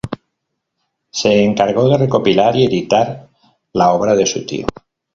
Se encargó de recopilar y editar la obra de su tío.